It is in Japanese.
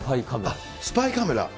あっ、スパイカメラ。